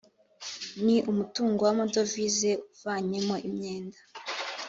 ni umutungo w’amadovize uvanyemo imyenda